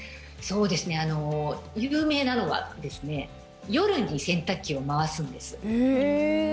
有名なのは夜に洗濯機を回すんです。